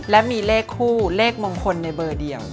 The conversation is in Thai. และมีเลขคู่เลขมงคลในเบอร์เดียว